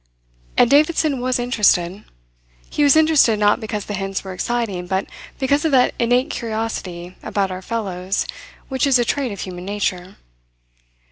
And Davidson was interested. He was interested not because the hints were exciting but because of that innate curiosity about our fellows which is a trait of human nature.